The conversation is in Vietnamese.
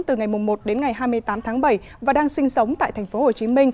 từ ngày một đến ngày hai mươi tám tháng bảy và đang sinh sống tại tp hcm